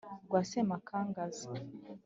rwa semakangaza;